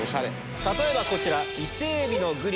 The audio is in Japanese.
例えばこちら。